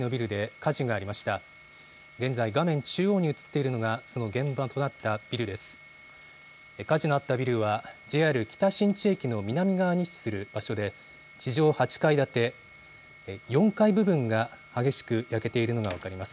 火事のあったビルはＪＲ北新地駅の南側に位置する場所で地上８階建て、４階部分が激しく焼けているのが分かります。